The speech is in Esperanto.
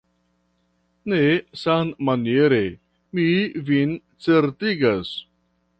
Ne sammaniere, mi vin certigas.